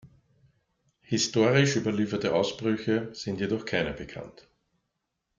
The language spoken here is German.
Historisch überlieferte Ausbrüche sind jedoch keine bekannt.